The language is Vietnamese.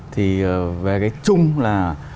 thì về cái chung là